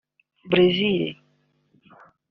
Brazil